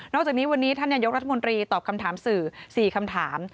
จากนี้วันนี้ท่านนายกรัฐมนตรีตอบคำถามสื่อ๔คำถาม